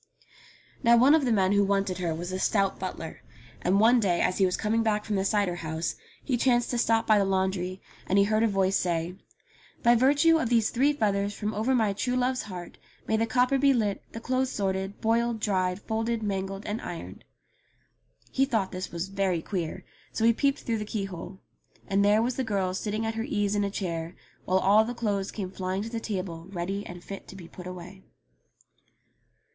64 ENGLISH FAIRY TALES Now one of the men who wanted her was the stout butler, and one day as he was coming back from the ciderhouse he chanced to stop by the laundry, and he heard a voice say, '* By virtue of these three feathers from over my true love's heart may the copper be lit, the clothes sorted, boiled, dried, folded, mangled, and ironed." He thought this very queer, so he peeped through the keyhole. And there was the girl sitting at her ease in a chair, while all the clothes came flying to the table ready and fit to put away.